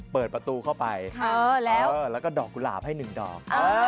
เปิดประตูเข้าไปแล้วก็ดอกกุหลาบให้๑ดอก